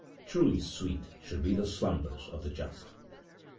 Truly sweet should be the slumbers of the just...